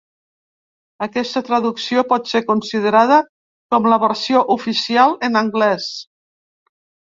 Aquesta traducció pot ser considerada com la versió "oficial" en anglès.